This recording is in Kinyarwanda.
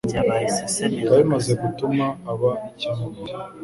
bikaba bimaze gutuma aba icyamamare